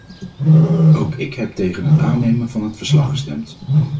Ook ik heb tegen het aannemen van het verslag gestemd.